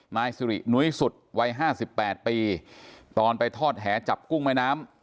นายสิรินุ้ยสุดวัย๕๘ปีตอนไปทอดแหจับกุ้งแม่น้ำ